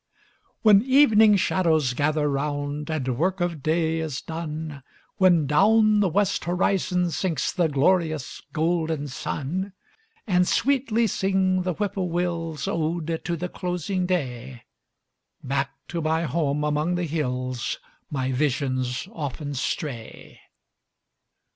When evening shadows gather round, And work of day is done, When down the west horizon sinks The glorious, golden sun, And sweetly sing the whip po wils Ode to the closing day, Back to my home among the hills My visions often stray.